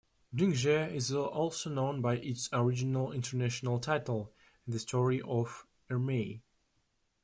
"Jingzhe" is also known by its original international title, The Story of Ermei.